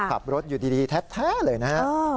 ขับรถอยู่ดีแท้เลยนะฮะ